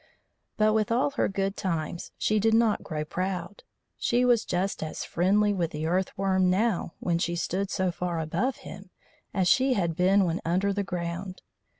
But with all her good times she did not grow proud. She was just as friendly with the Earth worm, now when she stood so far above him, as she had been when under the ground.